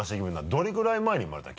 どれぐらい前に生まれたの？